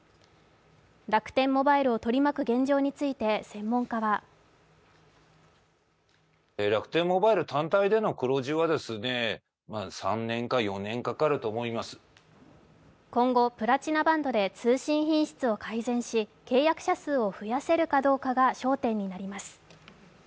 楽天モバイルを取り巻く現状について専門家は今後、プラチナバンドで通信品質を改善し契約者数を増やせるかどうかが焦点になります。